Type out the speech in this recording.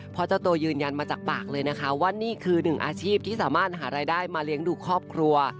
เพราะเจ้าตัวยืนยันมาจากปากเลยนะคะว่านี่คือหนึ่งอาชีพที่สามารถหารายได้มาเลี้ยงดูครอบครัว